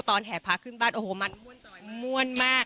แห่พระขึ้นบ้านโอ้โหมันม่วนมาก